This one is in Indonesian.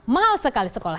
mahal sekali sekolah